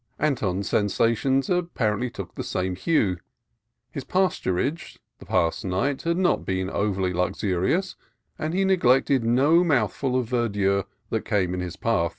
Anton's sensations appar ently took the same hue. His pasturage the past night had not been over luxurious, and he neglected no mouthful of verdure that came in his way.